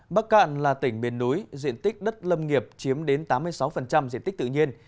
bắc cạn là tỉnh biển núi diện tích đất lâm nghiệp chiếm đến tám mươi sáu diện tích tự nhiên